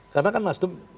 karena kan nasdem